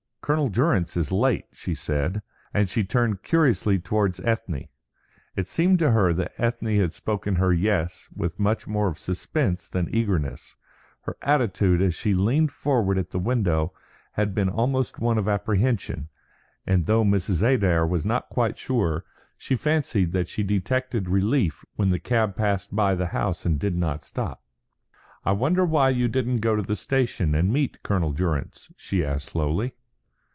"Colonel Durrance is late," she said, and she turned curiously towards Ethne. It seemed to her that Ethne had spoken her "yes" with much more of suspense than eagerness; her attitude as she leaned forward at the window had been almost one of apprehension; and though Mrs. Adair was not quite sure, she fancied that she detected relief when the cab passed by the house and did not stop. "I wonder why you didn't go to the station and meet Colonel Durrance?" she asked slowly.